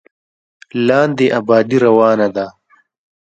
لاندې ابادي روانه ده.